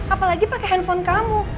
apalagi pake hp kamu